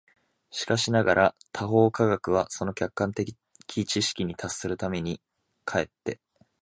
しかしながら他方科学は、その客観的知識に達するために、却って